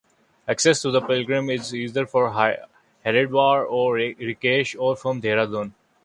Access to the pilgrimage is either from Haridwar, or Rishikesh, or from Dehradun.